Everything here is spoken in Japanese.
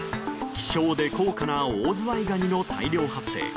希少で高価なオオズワイガニの大量発生。